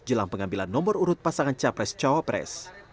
jelang pengambilan nomor urut pasangan capres cawapres